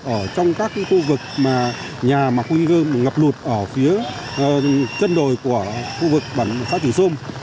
ở trong các khu vực nhà mà khu vực ngập lụt ở phía chân đồi của khu vực xã triềng sông